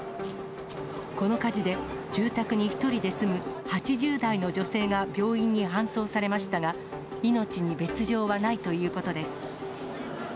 この火事で、住宅に１人で住む８０代の女性が病院に搬送されましたが、命に別状はないということです。